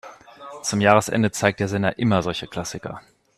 Zum Jahresende zeigt der Sender immer solche Klassiker.